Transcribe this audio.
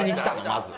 まず。